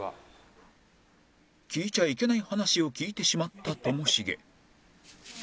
聞いちゃいけない話を聞いてしまったともしげ